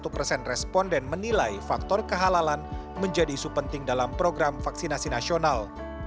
satu persen responden menilai faktor kehalalan menjadi isu penting dalam program vaksinasi nasional